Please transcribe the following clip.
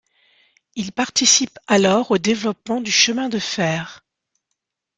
Il participe alors au développement du chemin de fer.